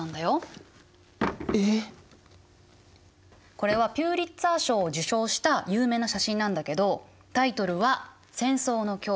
これはピュリツァー賞を受賞した有名な写真なんだけどタイトルは「戦争の恐怖」